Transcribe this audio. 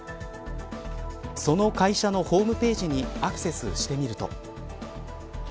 その会社のホームページにアクセスしてみると。